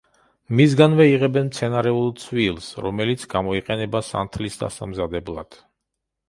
მისგანვე იღებენ მცენარეულ ცვილს, რომელიც გამოიყენება სანთლის დასამზადებლად.